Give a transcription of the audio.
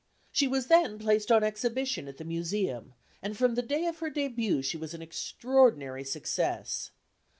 She was then placed on exhibition at the Museum and from the day of her débût she was an extraordinary success.